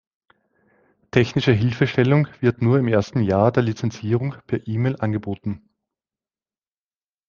Technische Hilfestellung wird nur im ersten Jahr der Lizenzierung per E-Mail angeboten.